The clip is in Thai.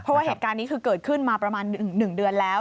เพราะว่าเหตุการณ์นี้คือเกิดขึ้นมาประมาณ๑เดือนแล้ว